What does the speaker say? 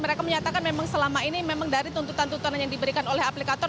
mereka menyatakan memang selama ini memang dari tuntutan tuntutan yang diberikan oleh aplikator